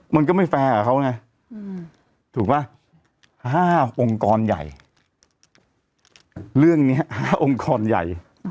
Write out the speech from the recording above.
มันก็ไม่แฟร์กับเขาไงอืมถูกป่ะห้าห้าองค์กรใหญ่เรื่องเนี้ยห้าองค์กรใหญ่